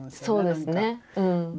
そうですねうん。